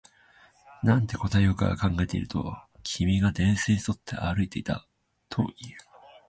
なんて答えようか考えていると、君が電線に沿って歩いていたと言う